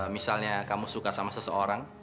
misalnya kamu suka sama seseorang